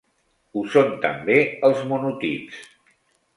Ho són també els monotips.